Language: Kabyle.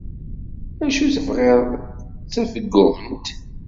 Acu tebɣiḍ d tafeggunt?